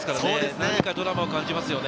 何かドラマを感じますよね。